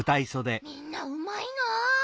みんなうまいな。